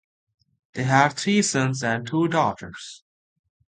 They had three sons and two daughters.